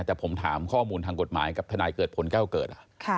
แต่ผมถามข้อมูลทางกฎหมายกับทนายเกิดผลแก้วเกิด